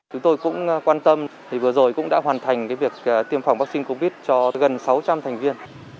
chúng tôi cũng quan tâm vừa rồi cũng đã hoàn thành việc tiêm phòng vaccine covid cho gần sáu trăm linh thành viên